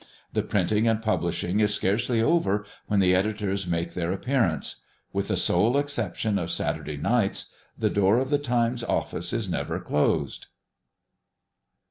The printing and publishing is scarcely over when the editors make their appearance. With the sole exception of Saturday nights, the door of the Times' Office is never closed.